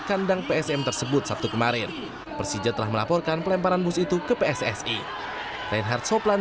kalau pertanyaan ini ditunda dan diselenggarakan di tempat lain maka pssi tidak akan ikut